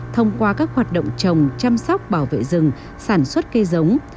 thông qua các hoạt động trồng chăm sóc bảo vệ rừng sản xuất cây giống